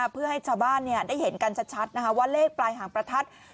เพื่อให้ชาวบ้านได้เห็นกันชัดว่าเลขปลายหางประทัด